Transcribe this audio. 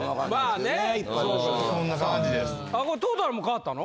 あっトータルも変わったの？